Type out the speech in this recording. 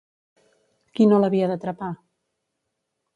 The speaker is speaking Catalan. Qui no l'havia d'atrapar?